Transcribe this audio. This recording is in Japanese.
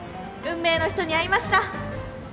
運命の人に会いました